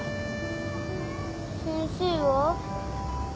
先生は？